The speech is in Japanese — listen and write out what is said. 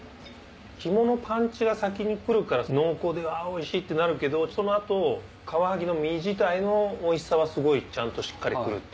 肝のパンチが先に来るから濃厚でおいしいってなるけどその後カワハギの身自体のおいしさはすごいちゃんとしっかり来るっていう。